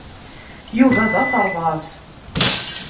Yuba d aferḍas.